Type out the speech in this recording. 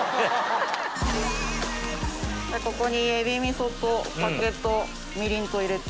ここに海老味噌と酒とみりんと入れて。